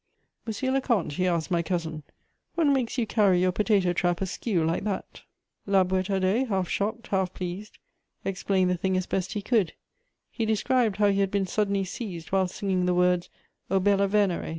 "Monsieur le comte," he asked my cousin, "what makes you carry your potato trap askew like that?" La Boüétardais, half shocked, half pleased, explained the thing as best he could; he described how he had been suddenly seized while singing the words, "_O bella Venere!